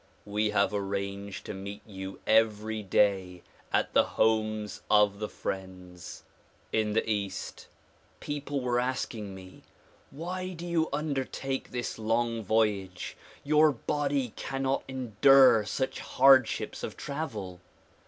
We have arranged to meet vou every day at the homes of the friends. 1 2 THE PROMULGATION OF UNIVERSAL PEACE In the East, people were asking me "Why do you undertake this long voyage; your body cannot endure such hardships of travel?"